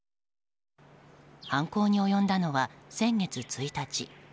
犯行に及んだのは先月１日。